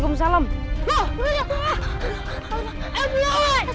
aku gak bisa ucap salam dulu